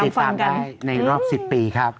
ติดตามได้ในรอบ๑๐ปีครับ